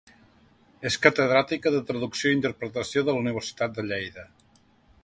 És catedràtica de Traducció i Interpretació de la Universitat de Lleida.